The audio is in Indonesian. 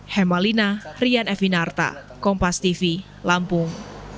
hemalina rian evinarta kompastv lampung